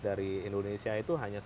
dari indonesia itu hanya satu dua